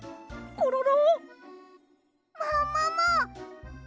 コロロ？